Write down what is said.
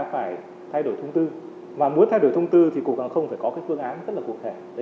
phải thay đổi thông thư mà muốn thay đổi thông thư thì cục hàng không phải có cái phương án rất là cục hẹn